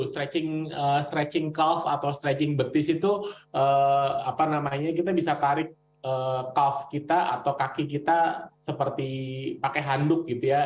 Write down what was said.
stretching calf atau stretching betis itu kita bisa tarik calf kita atau kaki kita seperti pakai handuk gitu ya